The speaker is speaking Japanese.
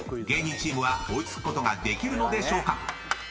［芸人チームは追い付くことができるのでしょうか？］